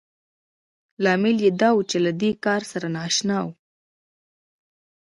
لامل يې دا و چې له دې کار سره نااشنا وو.